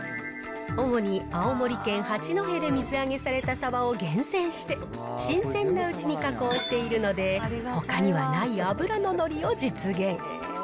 主に青森県八戸で水揚げされたサバを厳選して、新鮮なうちに加工しているので、ほかにはない脂の乗りを実現。